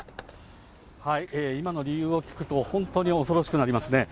今の理由を聞くと、本当に恐ろしくなりますね。